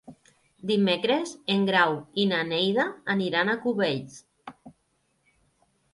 Dimecres en Grau i na Neida aniran a Cubells.